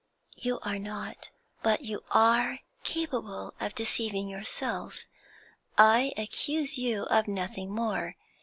'You are not. But you are capable of deceiving yourself; I accuse you of nothing more.